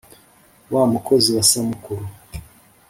wa mukozi wa samukuru